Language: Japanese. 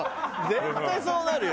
絶対そうなるよ。